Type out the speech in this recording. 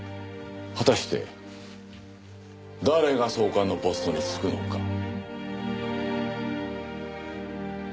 果たして誰が総監のポストに就くのか。